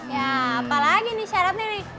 ya apalagi nih syaratnya nih